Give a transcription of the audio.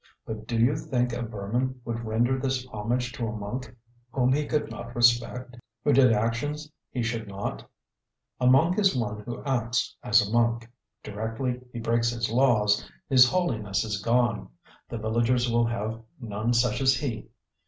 But do you think a Burman would render this homage to a monk whom he could not respect, who did actions he should not? A monk is one who acts as a monk. Directly he breaks his laws, his holiness is gone. The villagers will have none such as he.